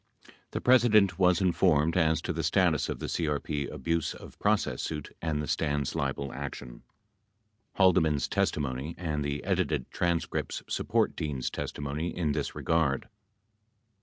The President was informed as to the status of the CRP abuse of process suit and the Stans libel action. Halde man's testimony and the edited transcripts support Dean's testimony in this regard.